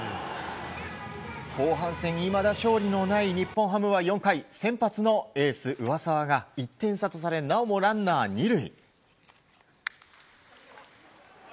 後半戦いまだ勝利のない日本ハムは４回先発のエース、上沢が１点差とされなおもランナー２塁。